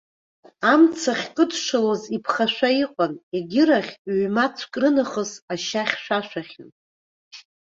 Амца ахькыдшылоз иԥхашәа иҟан, егьырахь, ҩ-мацәк рынахыс ашьа хьшәашәахьан.